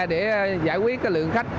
để giải quyết lượng khách